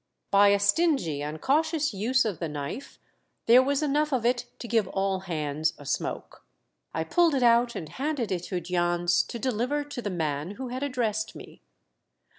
By a stingy and cautious use of the knife there was enough of it to give all hands a smoke. I pulled it out THE DEATH SHIP'S FORECASTLE. 219 and handed it to Jans to deliver to the man who had addressed me.